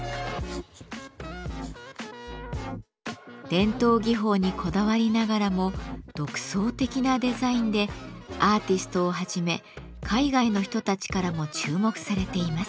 伝統技法にこだわりながらも独創的なデザインでアーティストをはじめ海外の人たちからも注目されています。